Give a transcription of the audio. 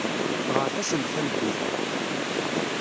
Ɣret-asent tameddit-a.